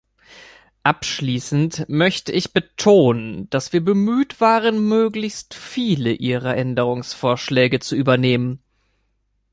Abschließend möchte ich betonen, dass wir bemüht waren, möglichst viele Ihrer Änderungsvorschläge zu übernehmen.